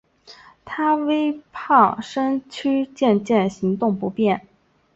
她微胖身躯渐渐行动不便